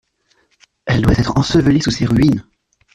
«Elle doit être ensevelie sous ses ruines.